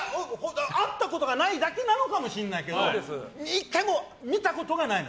会ったことがないだけかもしれないけど１回も見たことがないの。